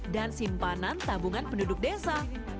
dan simpanan tabungan penduduk desa